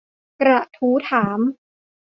กระทู้ถาม